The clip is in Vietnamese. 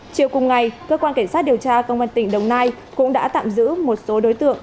chiều cùng ngày cơ quan cảnh sát điều tra công an tỉnh đồng nai cũng đã tạm giữ một số đối tượng